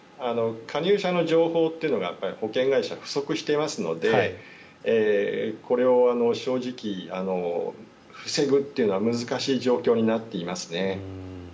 加入者の情報というのが保険会社は不足していますのでこれを正直、防ぐというのは難しい状況になっていますね。